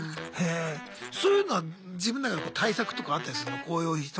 そういうのは自分の中で対策とかあったりすんの？